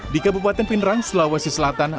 di kabupaten pinerang sulawesi selatan